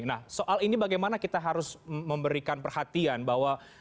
nah soal ini bagaimana kita harus memberikan perhatian bahwa